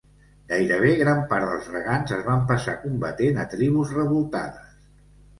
Gairebé gran part dels regants es van passar combatent a tribus revoltades.